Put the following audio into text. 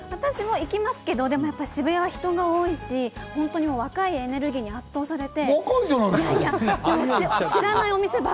行きますけど、渋谷は人が多いし、若いエネルギーに圧倒されて。